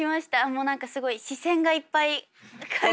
もう何かすごい視線がいっぱいな感じで。